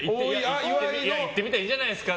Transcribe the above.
いってみたらいいじゃないですか。